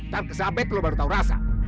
tar ke sabet lo baru tau rasa